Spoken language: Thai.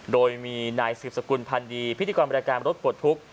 โดยมีนายสืบสกุลพันธ์ดีพิธีกรบริการรถปลดทุกข์